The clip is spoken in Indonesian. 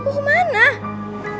roman gue kemana